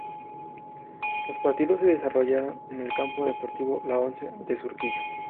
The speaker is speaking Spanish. Los partidos se desarrollaron en el Campo Deportivo 'La Once' de Surquillo.